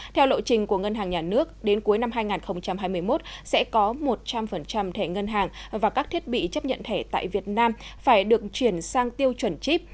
theo lộ trình của ngân hàng nhà nước đến cuối năm hai nghìn hai mươi một sẽ có một trăm linh thẻ ngân hàng và các thiết bị chấp nhận thẻ tại việt nam phải được chuyển sang tiêu chuẩn chip